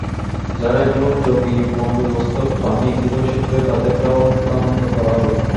যাঁরা এখনো জমি বন্দোবস্ত পাননি খুব শিগগিরই তাঁদেরটাও হস্তান্তর করা হবে।